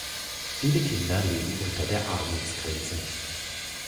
Viele Kinder leben unter der Armutsgrenze.